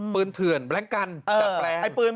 ปืนเถื่อนแบรนด์กันจัดแปลง